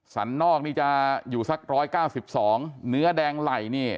สรรนอกนี่จะอยู่สักร้อยเก้าสิบสองเนื้อแดงไหล่นี่